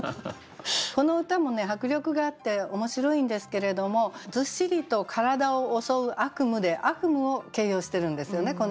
この歌も迫力があって面白いんですけれども「ずっしりと体を襲う悪夢」で「悪夢」を形容してるんですよね